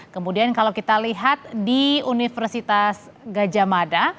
kemudian kalau kita lihat di universitas gajah mada